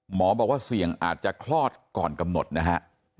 หมอบอกว่าเสี่ยงอาจจะคลอดก่อนกำหนดนะฮะ